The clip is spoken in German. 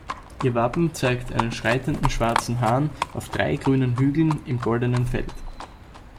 Ihr Wappen zeigt einen schreitenden schwarzen Hahn auf drei grünen Hügeln im goldenen Feld.